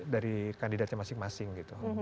dari kandidatnya masing masing gitu